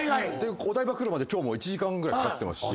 お台場来るまで今日も１時間ぐらいかかってますし。